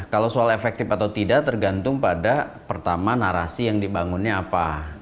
kalau soal efektif atau tidak tergantung pada pertama narasi yang dibangunnya apa